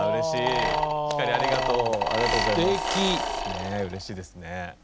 ねえうれしいですね。